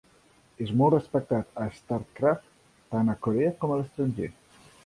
És molt respectat a StarCraft tant a Corea com a l'estranger.